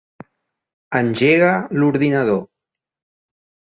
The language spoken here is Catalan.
Engega l'ordinador.